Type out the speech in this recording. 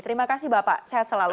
terima kasih bapak sehat selalu